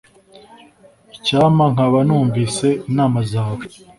Icyampa nkaba numvise inama zawe.